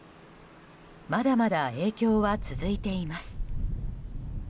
まだまだ影響は続いています。